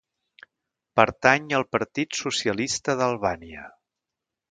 Pertany al Partit Socialista d'Albània.